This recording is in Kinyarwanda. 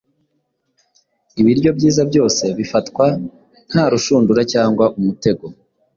Ibiryo byiza byose bifatwa nta rushundura cyangwa umutego.